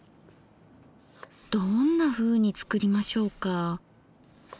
どんなふうに作りましょうか。